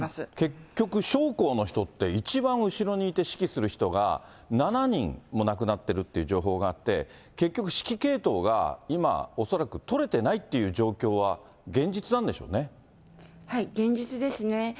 結局、将校の人って、一番後ろにいて指揮する人が７人も亡くなっているという情報があって、結局、指揮系統が今、恐らく取れてないっていう状況は現実現実ですね。